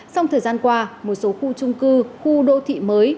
song thời gian qua một số khu trung cư khu đô thị mới